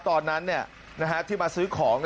ตอนนั้นที่มาซื้อของ